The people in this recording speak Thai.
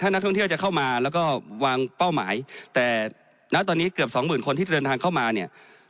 นักท่องเที่ยวจะเข้ามาแล้วก็วางเป้าหมายแต่ณตอนนี้เกือบสองหมื่นคนที่เดินทางเข้ามาเนี่ย